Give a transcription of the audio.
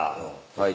はい。